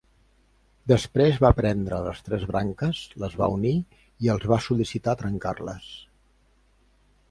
Després va prendre les tres branques, les va unir i els va sol·licitar trencar-les.